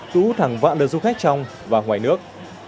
cứu thẳng vạn đợt du khách trong và ngoài nước